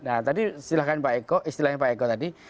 nah tadi istilahnya pak eko tadi